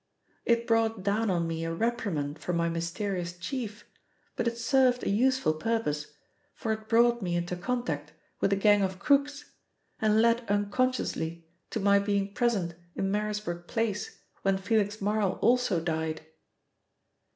It brought down on me a reprimand from my mysterious chief, but it served a useful purpose, for it brought me into contact with a gang of crooks and led unconsciously to my being present in Marisburg Place when Felix Marl also died.